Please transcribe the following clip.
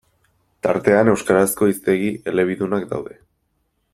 Tartean, euskarazko hiztegi elebidunak daude.